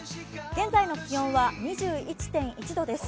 現在の気温は２１．１度です。